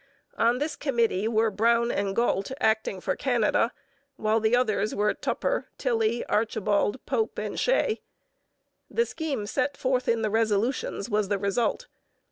On this committee were Brown and Galt acting for Canada, while the others were Tupper, Tilley, Archibald, Pope, and Shea. The scheme set forth in the resolutions was the result.